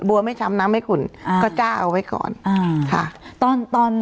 บัวไม่ช้ำน้ำไม่ขุนก็จ้าเอาไว้ก่อน